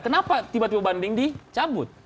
kenapa tiba tiba banding dicabut